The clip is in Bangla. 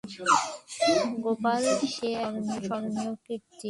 গোপালের সে এক স্মরণীয় কীর্তি।